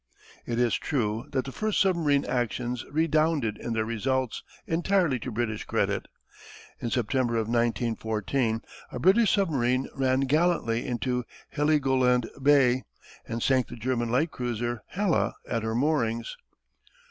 It is true that the first submarine actions redounded in their results entirely to British credit. In September of 1914 a British submarine ran gallantly into Heligoland Bay and sank the German light cruiser Hela at her moorings.